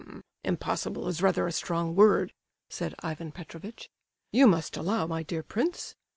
"H'm! impossible is rather a strong word," said Ivan Petrovitch. "You must allow, my dear prince...